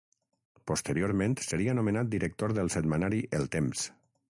Posteriorment seria nomenat director del setmanari El Temps.